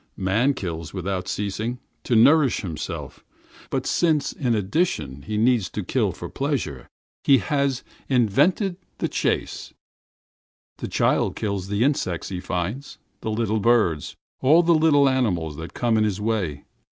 Man kills without ceasing, to nourish himself; but since he needs, besides, to kill for pleasure, he has invented hunting! The child kills the insects he finds, the little birds, all the little animals that come in his way.